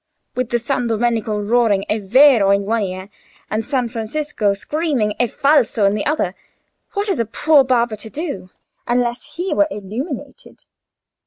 With San Domenico roaring è vero in one ear, and San Francisco screaming è falso in the other, what is a poor barber to do—unless he were illuminated?